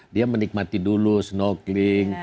dia menikmati dulu snorkeling